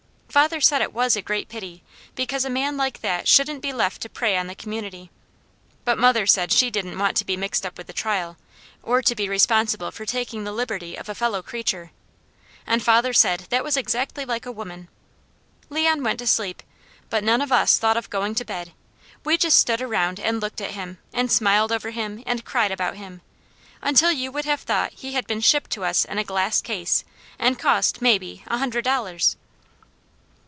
Father said it was a great pity, because a man like that shouldn't be left to prey on the community; but mother said she didn't want to be mixed up with a trial, or to be responsible for taking the liberty of a fellow creature, and father said that was exactly like a woman. Leon went to sleep, but none of us thought of going to bed; we just stood around and looked at him, and smiled over him, and cried about him, until you would have thought he had been shipped to us in a glass case, and cost, maybe, a hundred dollars.